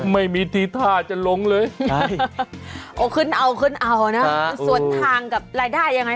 ไม่มีทีท่าจะลงเลย